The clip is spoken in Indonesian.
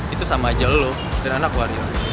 itu sama aja lo dan anak wario